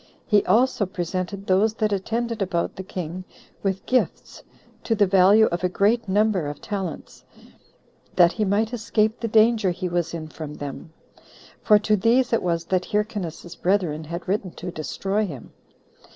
He also presented those that attended about the king with gifts to the value of a great number of talents, that he might escape the danger he was in from them; for to these it was that Hyrcanus's brethren had written to destroy him.